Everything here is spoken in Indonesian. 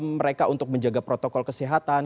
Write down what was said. mereka untuk menjaga protokol kesehatan